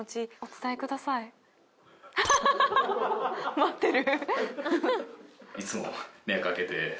待ってる。